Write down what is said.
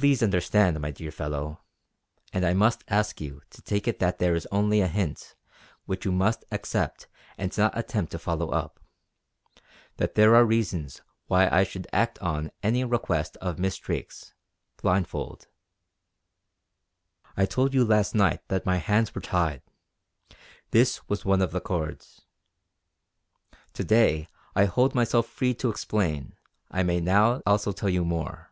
Please understand, my dear fellow and I must ask you to take it that this is only a hint which you must accept and not attempt to follow up that there are reasons why I should act on any request of Miss Drake's, blindfold. I told you last night that my hands were tied; this was one of the cords. To day I hold myself free to explain I may now also tell you more.